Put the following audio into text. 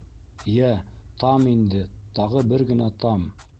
- Йә, там инде, тағы бер генә там!